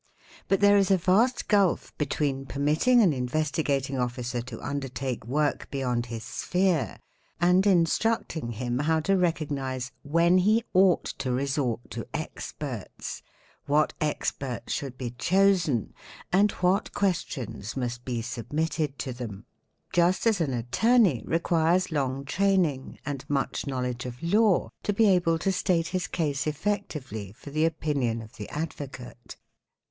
But there is a vast gulf between permitting an Investigating Officer to undertake work beyond his sphere and instructing him how to recognise when he ought to resort tv experts, what experts should be chosen, and what questions must be submitted to them; just as an attorney requires ' long training and much knowledge of law to be able to state his case effectively for the opinion of the advocate.